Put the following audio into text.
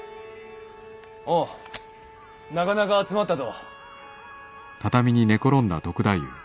おうなかなか集まったど。